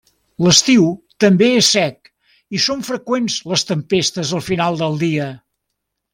L'estiu també és sec, i són freqüents les tempestes al final del dia.